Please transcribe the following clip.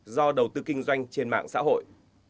do đầu tư kinh doanh trên mạng xã hội